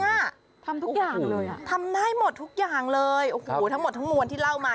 ทำทุกอย่างเลยอ่ะทำได้หมดทุกอย่างเลยโอ้โหทั้งหมดทั้งมวลที่เล่ามา